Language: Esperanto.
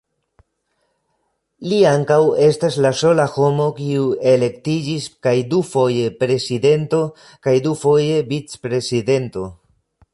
Li ankaŭ estas la sola homo, kiu elektiĝis kaj dufoje prezidento, kaj dufoje vic-prezidento.